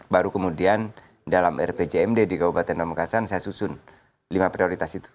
baru kemudian dalam rpjmd di kabupaten pamekasan saya susun lima prioritas itu